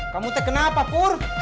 kamu teh kenapa pur